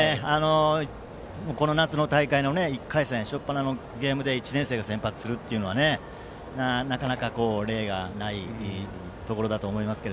この夏の大会の１回戦しょっぱなに１年生が先発はなかなか例がないところだと思いますが。